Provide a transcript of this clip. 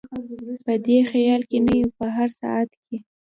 په دې خیال کې نه یو چې په هر ساعت کې.